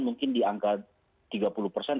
mungkin di angka tiga puluh persen